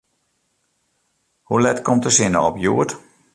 Hoe let komt de sinne op hjoed?